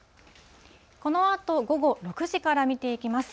このあと午後６時から見ていきます。